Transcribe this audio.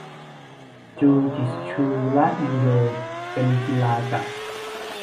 จูจิชูและ ยูโด เป็นกีฬาจับ